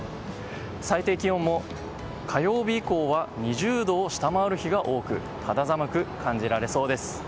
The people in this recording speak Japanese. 最低気温も火曜日以降は２０度を下回る日が多く肌寒く感じられそうです。